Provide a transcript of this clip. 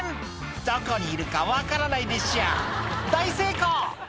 「どこにいるか分からないでしょ大成功！」